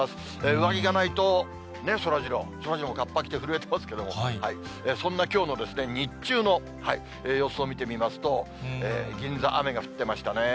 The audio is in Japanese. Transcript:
上着がないと、ね、そらジロー、そらジローもかっぱ着て震えてますけれども、そんなきょうの日中の様子を見てみますと、銀座、雨が降ってましたね。